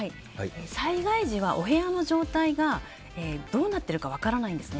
災害時はお部屋の状態がどうなってるか分からないんです。